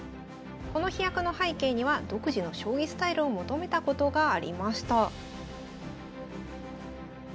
この飛躍の背景には独自の将棋スタイルを求めたことがありました。